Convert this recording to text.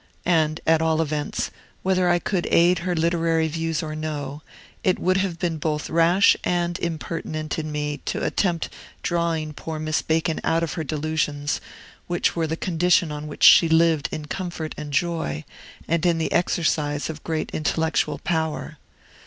And, at all events, whether I could aid her literary views or no, it would have been both rash and impertinent in me to attempt drawing poor Miss Bacon out of her delusions, which were the condition on which she lived in comfort and joy, and in the exercise of great intellectual power.